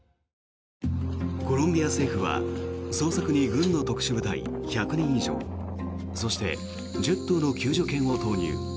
コロンビア政府は捜索に軍の特殊部隊１００人以上そして、１０頭の救助犬を投入。